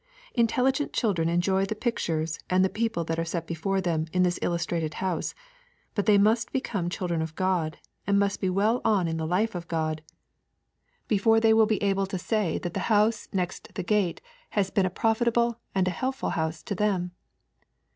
Intelligent children enjoy the pictures and the people that are set before them in this illustrated house, but they must become the children of God, and must be well on in the life of God, before they will be able to say that the house next the gate has been a profitable and a helpful house to them.